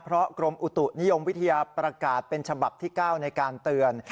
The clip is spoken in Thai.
เพราะกรมอุตุนิยมวิทยาประกาศเป็นฉบับที่๙ในการเตือน